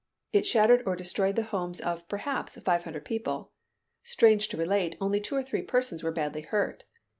It shattered or destroyed the homes of, perhaps, five hundred people. Strange to relate, only two or three persons were badly hurt.